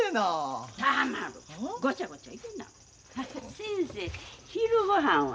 先生昼ごはんは？